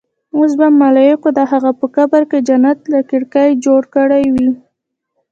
اوس به ملايکو د هغه په قبر کې جنت له کړکۍ جوړ کړې وي.